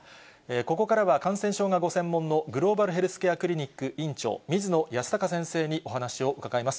ここからは感染症がご専門のグローバルヘルスケアクリニック院長、水野泰孝先生にお話を伺います。